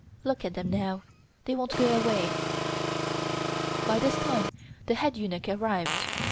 Look at them now. They won't go away." By this time the head eunuch arrived.